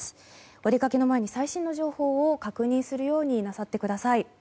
お出かけの前に最新の情報を確認するようになさってください。